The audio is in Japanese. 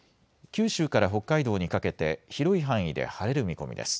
九州から北海道にかけて広い範囲で晴れる見込みです。